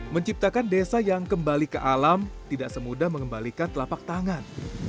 menciptakan desa yang kembali ke alam tidak semudah mengembalikan telapak tangan